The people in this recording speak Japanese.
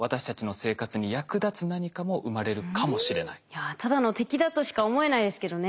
いやただの敵だとしか思えないですけどね。